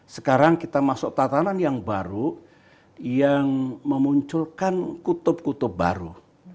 sekarang kita masuk tatanan yang baru yang memunculkan kutub kutub baru